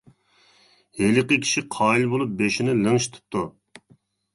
ھېلىقى كىشى قايىل بولۇپ بېشىنى لىڭشىتىپتۇ.